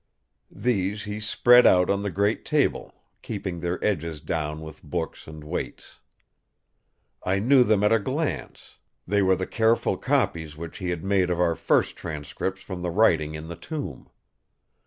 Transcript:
These he spread out on the great table, keeping their edges down with books and weights. I knew them at a glance; they were the careful copies which he had made of our first transcripts from the writing in the tomb.